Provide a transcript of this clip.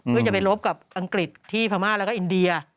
เพื่อจะไปรบกับอังกฤษที่พม่าแล้วก็อินเดีย